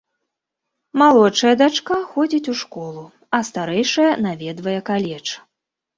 Малодшая дачка ходзіць у школу, а старэйшая наведвае каледж.